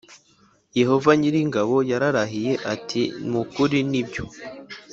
Yehova nyir ingabo yararahiye ati ni ukuri nibyo